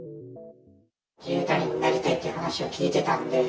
自衛隊員になりたいっていう話は聞いてたんで。